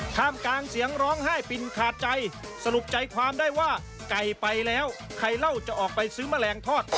ท่ามกลางเสียงร้องไห้ปินขาดใจสรุปใจความได้ว่าไก่ไปแล้วใครเล่าจะออกไปซื้อแมลงทอด